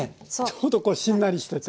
ちょうどこうしんなりしてて。